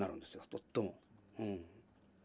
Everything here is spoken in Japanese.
とっても。